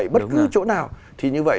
bất cứ chỗ nào thì như vậy